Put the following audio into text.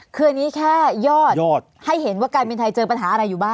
คืออันนี้แค่ยอดให้เห็นว่าการบินไทยเจอปัญหาอะไรอยู่บ้าง